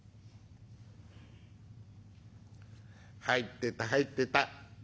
「入ってた入ってた。